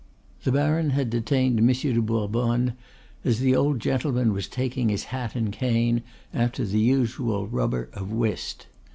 The baron had detained Monsieur de Bourbonne as the old gentleman was taking his hat and cane after the usual rubber of whist.